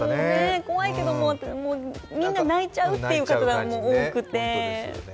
怖いけど、みんな泣いちゃうって方も多くて。